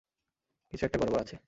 কিছু একতা গড়বড় আছে!